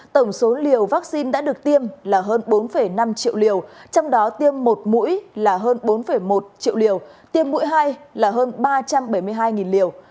tổng số liều vaccine đã được tiêm là hơn bốn năm triệu liều trong đó tiêm một mũi là hơn bốn một triệu liều tiêm mũi hai là hơn ba trăm bảy mươi hai liều